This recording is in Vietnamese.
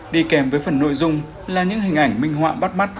đi kèm với phần nội dung là những hình ảnh minh họa bắt mắt